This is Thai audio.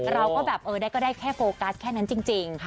เราก็แบบเออก็ได้แค่โฟกัสแค่นั้นจริง